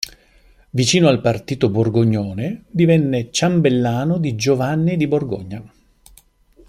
Vicino al partito borgognone, divenne ciambellano di Giovanni di Borgogna.